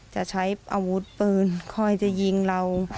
จะใช้อาวุธปืนคอยจะยิงเรา